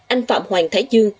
anh phạm hoàng thái dương